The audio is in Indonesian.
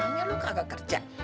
maknya lu kagak kerja